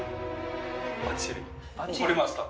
取りました。